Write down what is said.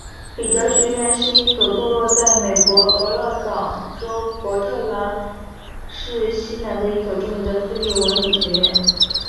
里德学院是一所坐落在美国俄勒冈州波特兰市西南的一所著名的私立文理学院。